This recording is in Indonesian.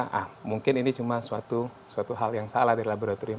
nah mungkin ini cuma suatu hal yang salah di laboratorium